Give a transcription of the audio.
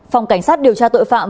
phòng cảnh sát điều tra tội phạm